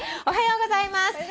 「おはようございます。